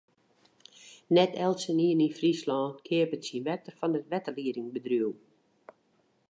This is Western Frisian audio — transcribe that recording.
Net eltsenien yn Fryslân keapet syn wetter fan it wetterliedingbedriuw.